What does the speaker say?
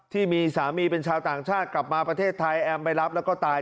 ที่มีสามีเป็นชาวต่างชาติกลับมาประเทศไทย